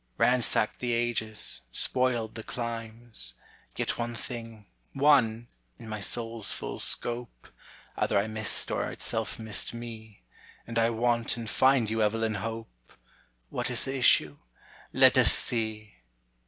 Ransacked the ages, spoiled the climes; Yet one thing one in my soul's full scope, Either I missed or itself missed me, And I want and find you, Evelyn Hope! What is the issue? let us see!